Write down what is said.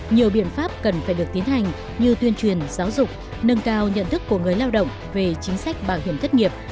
nhiều biện pháp cần phải được tiến hành như tuyên truyền giáo dục nâng cao nhận thức của người lao động về chính sách bảo hiểm thất nghiệp